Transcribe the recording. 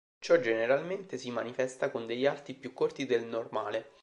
Ciò generalmente si manifesta con degli arti più corti del normale.